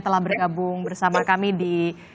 telah bergabung bersama kami di